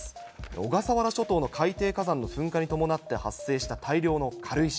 小笠原諸島の海底火山の噴火に伴って発生した大量の軽石。